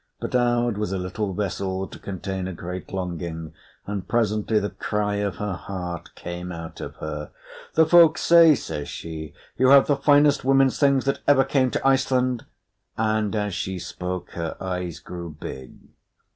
But Aud was a little vessel to contain a great longing, and presently the cry of her heart came out of her. "The folk say," says she, "you have the finest women's things that ever came to Iceland?" and as she spoke her eyes grew big.